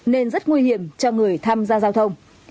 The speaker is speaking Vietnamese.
nên rất nguy hiểm cho người tham gia giao thông